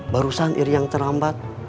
barusan iri yang terlambat